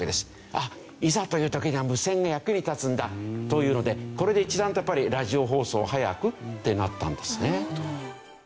あっいざという時には無線が役に立つんだというのでこれで一段とラジオ放送を早くってなったんですね。